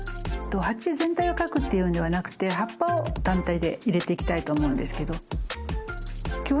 鉢全体を描くっていうのではなくて葉っぱを単体で入れていきたいと思うんですけど。